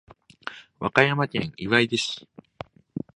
和歌山県岩出市